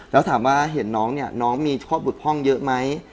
แล้วถามว่าเห็นน้องเนี่ยน้องมีโทษบุตรพ่องเยอะไหม